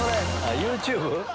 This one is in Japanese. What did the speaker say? ＹｏｕＴｕｂｅ？